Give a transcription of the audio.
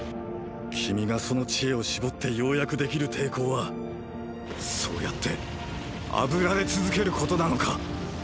君がその知恵を絞ってようやくできる抵抗はそうやって炙られ続けることなのか？